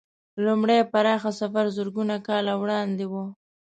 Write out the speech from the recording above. لومړی پراخ سفر زرګونه کاله وړاندې و.